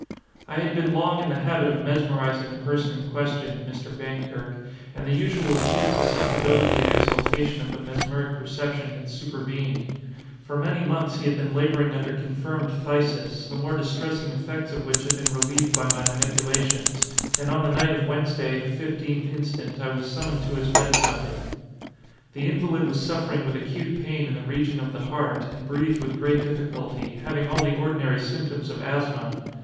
I had been long in the habit of mesmerizing the person in question (Mr. Vankirk), and the usual acute susceptibility and exaltation of the mesmeric perception had supervened. For many months he had been laboring under confirmed phthisis, the more distressing effects of which had been relieved by my manipulations; and on the night of Wednesday, the fifteenth instant, I was summoned to his bedside. The invalid was suffering with acute pain in the region of the heart, and breathed with great difficulty, having all the ordinary symptoms of asthma.